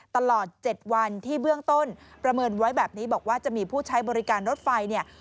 ตลอด๗วันที่เบื้องต้นประเมินไว้แบบนี้บอกว่าจะมีผู้ใช้บริการรถไฟเนี่ย